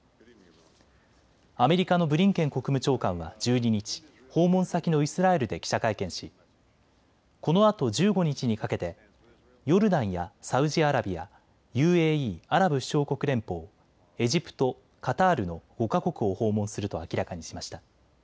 アメリカのブリンケン国務長官は１２日、訪問先のイスラエルで記者会見しこのあと１５日にかけてヨルダンやサウジアラビア、ＵＡＥ・アラブ首長国連邦、エジプト、カタールの５か国を訪問すると明らかにしました。